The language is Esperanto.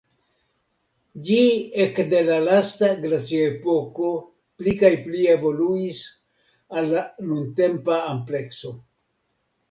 Ĝi ekde la lasta glaciepoko pli kaj pli evoluis al la nuntempa amplekso.